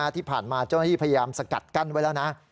ที่ผ่านมาเจ้าหน้าที่พยายามสกัดกั้นไว้แล้วนะ